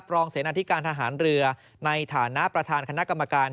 รองเสนาธิการทหารเรือในฐานะประธานคณะกรรมการ